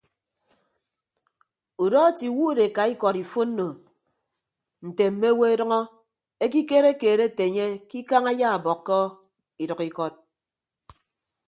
Udọ etiiwuud eka ikọd ifonno nte mme owo edʌñọ ekikere keed ete enye ke ikañ ayaabọkkọ idʌk ikọd.